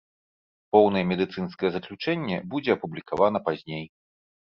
Поўнае медыцынскае заключэнне будзе апублікавана пазней.